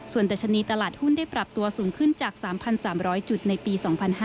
ส่วนดัชนีตลาดหุ้นได้ปรับตัวสูงขึ้นจาก๓๓๐๐จุดในปี๒๕๕๙